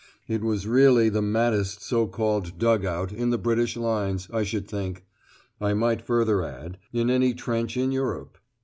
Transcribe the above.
It was really the maddest so called "dug out" in the British lines, I should think; I might further add, "in any trench in Europe."